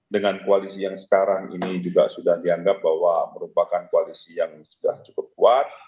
dengan koalisi yang sekarang ini juga sudah dianggap bahwa merupakan koalisi yang sudah cukup kuat